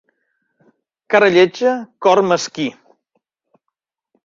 Cara lletja, cor mesquí.